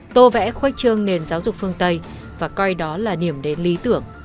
tô vẽ khoách trường nền giáo dục phương tây và coi đó là niềm đến lý tưởng